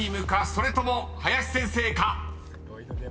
それとも林先生か？］